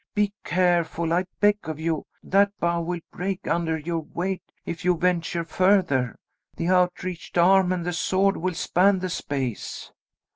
Be careful, I beg of you; that bough will break under your weight if you venture further. The outreached arm and the sword will span the space."